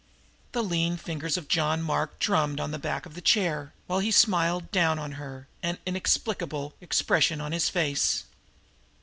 The lean fingers of John Mark drummed on the back of the chair, while he smiled down on her, an inexplicable expression on his face.